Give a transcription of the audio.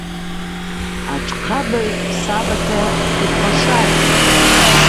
Атшхъабыгӏв сабата йхъвашатӏ.